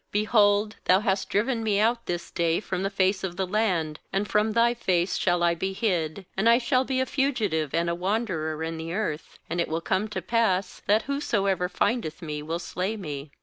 l4Behold, Thou hast driven me out this day from the face of the land; and from Thy face shall I be hid; and I shall be a fugitive and a wanderer in the earth; and it will come to pass, that whosoever findeth me will slay me.'